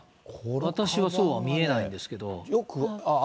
私はそうは見えないんですけれども。